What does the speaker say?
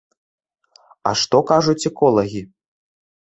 А што кажуць эколагі?